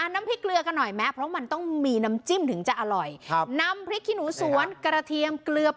น้ำพริกเกลือกันหน่อยแม้เพราะมันต้องมีน้ำจิ้มถึงจะอร่อย